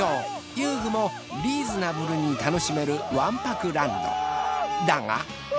遊具もリーズナブルに楽しめるわんぱくランドだが。